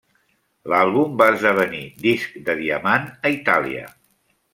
L'àlbum va esdevenir disc de diamant a Itàlia.